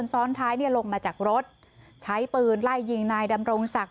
ซ้อนท้ายลงมาจากรถใช้ปืนไล่ยิงนายดำรงศักดิ